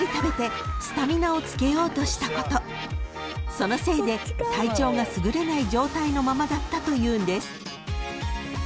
［そのせいで体調が優れない状態のままだったというんです］